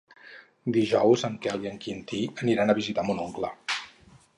Dijous en Quel i en Quintí aniran a visitar mon oncle.